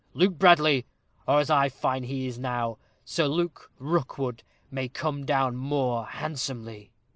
Luke Bradley, or, as I find he now is, Sir Luke Rookwood, may come down more handsomely."